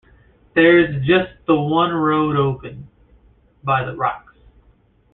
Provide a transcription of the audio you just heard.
There's just the one road open — by the rocks.